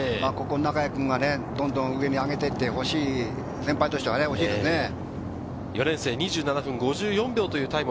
ここで中谷君がどんどん上に上げていってほしい、先輩としてはほしいね。